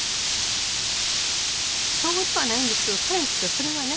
そうではないんですけど彼にとってはそれはね